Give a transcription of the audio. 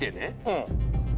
うん。